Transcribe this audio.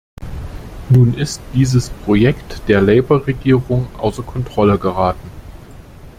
Nun ist dieses Projekt der Labour-Regierung außer Kontrolle geraten.